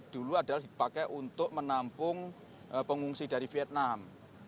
dulu adalah dipakai untuk menampung pengungsi dari vietnam